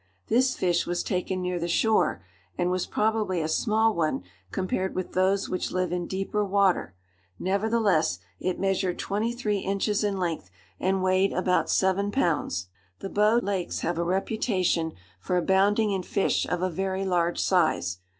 This fish was taken near the shore, and was probably a small one compared with those which live in deeper water; nevertheless, it measured twenty three inches in length, and weighed about seven pounds. The Bow lakes have a reputation for abounding in fish of a very large size.